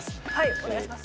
お願いします。